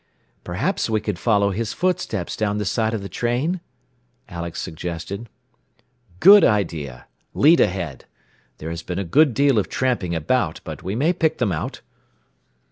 "Perhaps we could follow his footsteps down the side of the train?" Alex suggested. "Good idea! Lead ahead. There has been a good deal of tramping about, but we may pick them out."